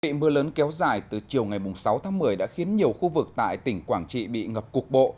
vị mưa lớn kéo dài từ chiều ngày sáu tháng một mươi đã khiến nhiều khu vực tại tỉnh quảng trị bị ngập cục bộ